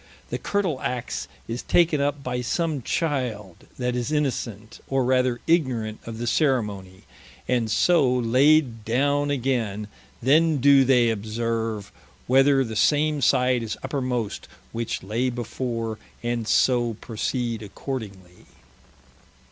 The Curtleaxe is taken up by some Childe, that is innocent, or rather ignorant of the Ceremonie, and so layd downe againe; then doe they observe, whether the same side is uppermost, which lay before, and so proceed accordingly.